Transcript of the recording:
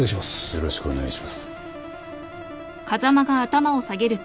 よろしくお願いします。